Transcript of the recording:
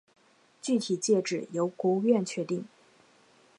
具体界址由国务院确定。